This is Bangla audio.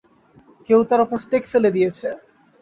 কেউ তার ওপর স্টেক ফেলে দিয়েছে।